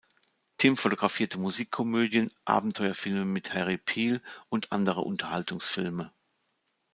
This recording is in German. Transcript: Timm fotografierte Musikkomödien, Abenteuerfilme mit Harry Piel und andere Unterhaltungsfilme.